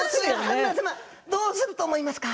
どうすると思いますか？